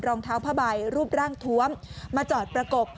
รองเท้าผ้าใบรูปร่างทวมมาจอดประกบ